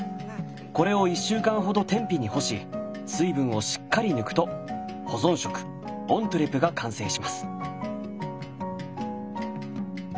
これを１週間ほど天日に干し水分をしっかり抜くと保存食オントゥレが完成します。